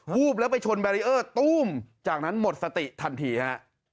วูบแล้วไปชนแบรีเออร์ตู้มจากนั้นหมดสติทันทีฮะ